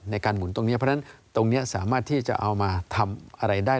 หมุนตรงนี้เพราะฉะนั้นตรงนี้สามารถที่จะเอามาทำอะไรได้